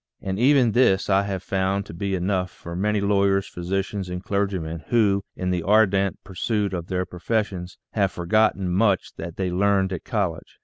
And even this I have found to be enough for many lawyers, physicians, and clergymen who, in the ardent pursuit of their profes sions, have forgotten much that they learned at college.